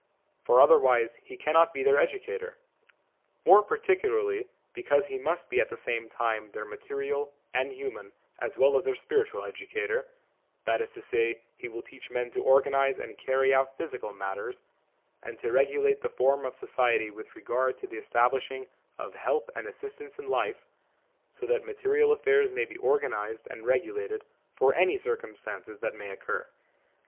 For otherwise he cannot be their educator. More particularly because he must be at the same time their material and human as well as their spiritual educator ; that is to say, he will teach men to organise and carry out physical matters, and to regulate the form of society with regard to the establishing of help and assistance in life, so that material affairs may be organised and regulated for any circumstances that may occur.